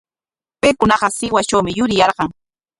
Paykunaqa Sihuastrawmi yuriyarqan.